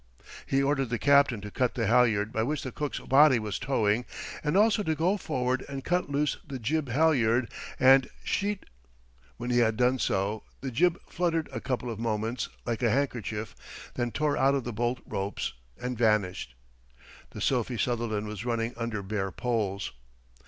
He ordered the captain to cut the halyard by which the cook's body was towing, and also to go forward and cut loose the jib halyard and sheet. When he had done so, the jib fluttered a couple of moments like a handkerchief, then tore out of the bolt ropes and vanished. The Sophie Sutherland was running under bare poles.